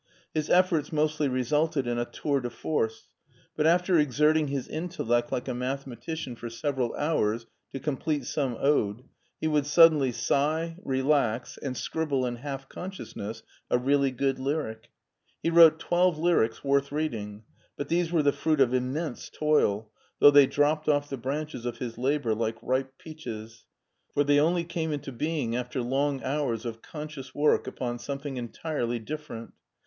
His efforts mostly resulted in a tour de force, but after exerting his intellect like a mathematician for several hours to complete some ode, he would suddenly sigh, relax, and scribble in half consciousness a really good lyric. He wrote twelve lyrics worth reading, but these were the fruit of im mense toil, though they dropped off the branches of his labor like ripe peaches, for they only came into being after long hours of conscious work upon something entirely different.